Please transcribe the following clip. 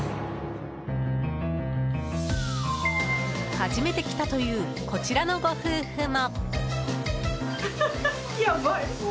初めて来たというこちらのご夫婦も。